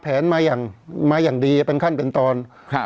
เพราะฉะนั้นประชาธิปไตยเนี่ยคือการยอมรับความเห็นที่แตกต่าง